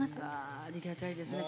ありがたいですね。